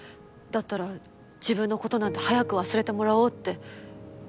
だったら自分の事なんて早く忘れてもらおうって。